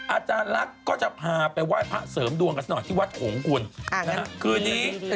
อาจารย์ลักษณ์ก็จะพาไปไหว้พระเสริมดวงกันสักหน่อยที่วัดหงคุณคืนนี้